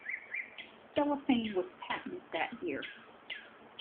Cellophane was patented that year.